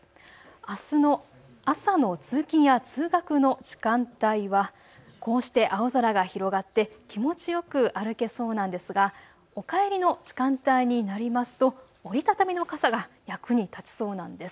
あすの朝の通勤や通学の時間帯はこうして青空が広がって気持ちよく歩けそうなんですがお帰りの時間帯になりますと折り畳みの傘が役に立ちそうなんです。